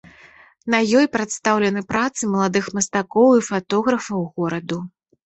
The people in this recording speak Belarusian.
На ёй прадстаўлены працы маладых мастакоў і фатографаў гораду.